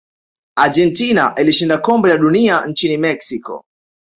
argentina ilishinda kombe la dunia nchini mexico